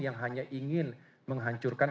yang hanya ingin menghancurkan